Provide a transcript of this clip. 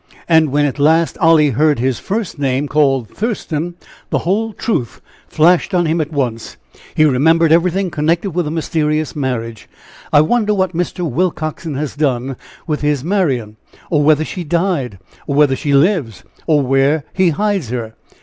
And when at last lie heard his first name called 'Thurston,' the whole truth flashed on him at once. He remembered everything connected with the mysterious marriage. I wonder what Mr. Willcoxen has done with his Marian? or whether she died or whether she lives? or where he hides her?